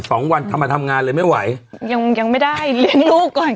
สองวันทำมาทำงานเลยไม่ไหวยังยังไม่ได้เลี้ยงลูกก่อน